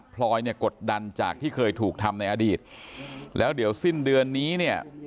พลอยเนี่ยกดดันจากที่เคยถูกทำในอดีตแล้วเดี๋ยวสิ้นเดือนนี้เนี่ย